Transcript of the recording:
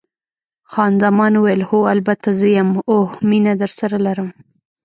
خان زمان وویل: هو، البته زه یم، اوه، مینه درسره لرم.